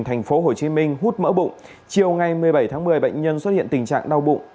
tp hcm hút mỡ bụng chiều ngày một mươi bảy tháng một mươi bệnh nhân xuất hiện tình trạng đau bụng